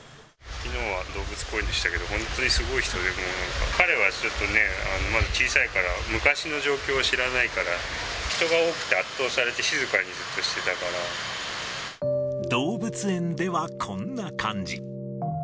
きのうは動物公園でしたけど、本当にすごい人で、彼はちょっとね、まだ小さいから、昔の状況を知らないから、人が多くて圧倒されて静かにずっとして動物園ではこんな感じ。